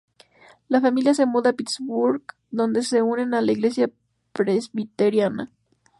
La familia se muda a Pittsburgh donde se unen a la Iglesia presbiteriana.